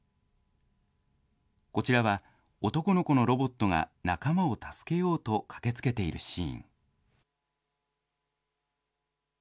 こちらは、男の子のロボットが仲間を助けようと駆けつけているシーン。